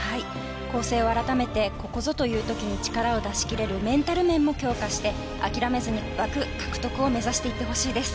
構成を改めてここぞという時に力を出し切れるメンタル面も強化して諦めずに枠獲得を目指していってほしいです。